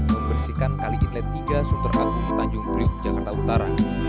membersihkan kali inlet tiga sunter agung di tanjung priuk jakarta utara